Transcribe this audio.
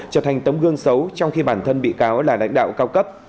trở thành tấm gương xấu trong khi bản thân bị cáo là lãnh đạo cao cấp